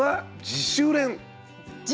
自主練？